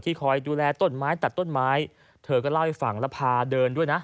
คอยดูแลต้นไม้ตัดต้นไม้เธอก็เล่าให้ฟังแล้วพาเดินด้วยนะ